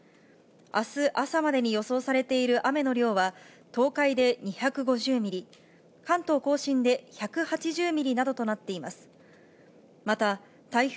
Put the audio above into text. あす朝までに予想されている雨の量は、東海で２５０ミリ、関東甲信で１８０ミリなどとなっています。